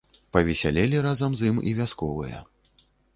Павесялелі разам з ім і вясковыя.